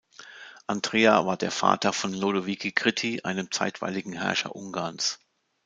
Andrea war der Vater von Lodovico Gritti, einem zeitweiligen Herrscher Ungarns.